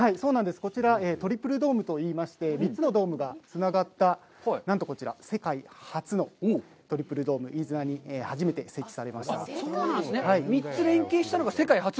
こちら、トリプルドームといいまして、３つのドームがつながったなんとこちら、世界初のトリプルドーム、飯綱に初めて設置されました。